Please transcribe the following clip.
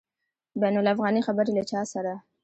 بین الافغاني خبري له چا سره؟